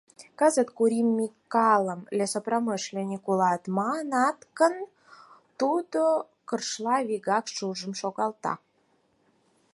Кызыт Кури Микалым лесопромышленник улат манат гын, тудо кыршла вигак шужым шогалта: